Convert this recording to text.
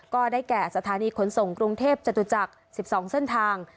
ก็ได้แก่สถานีขนส่งกรุงเทพจตุจักร๑๒เส้นทาง